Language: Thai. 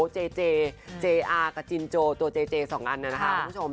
เจเจเจอร์กับจินโจตัวเจเจสองอันนั้นนะครับคุณผู้ชม